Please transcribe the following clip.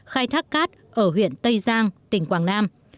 khai thác cát ở huyện tây giang tỉnh quảng nam